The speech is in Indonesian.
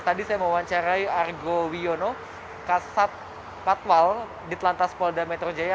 tadi saya mewawancarai argo wiono kasat patwal di telantas polda metro jaya